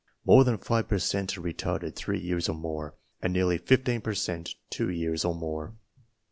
More than five per cent are retarded three years or more, and nearly fifteen per cent two years or more.